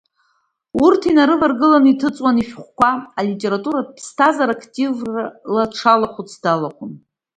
Урҭ инарываргыланы иҭыҵуан ишәҟәқәа, алитературатә ԥсҭазаара активла дшалахәыц далахәын.